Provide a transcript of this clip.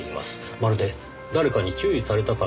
まるで誰かに注意されたかのように。